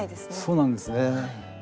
そうなんですね。